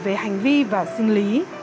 về hành vi và sinh lý